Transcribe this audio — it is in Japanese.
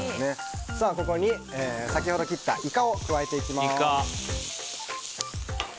ここに先ほど切ったイカを加えていきます。